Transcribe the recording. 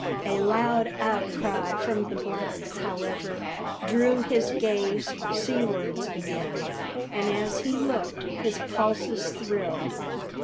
A loud outcry from the blacks, however, drew his gaze seawards again, and as he looked his pulses thrilled.